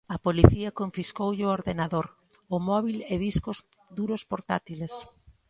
A Policía confiscoulle o ordenador, o móbil e discos duros portátiles.